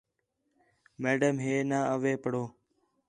میڈم ہے نہ، اوے پڑھو